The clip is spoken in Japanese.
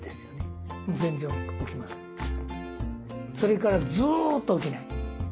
それからずっと起きない。